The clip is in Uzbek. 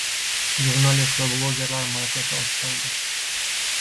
Jurnalist va blogerlar malakasi oshirildi